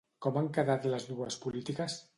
Com han quedat les dues polítiques?